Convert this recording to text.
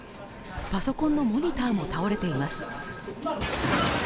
パソコンのモニターも倒れています。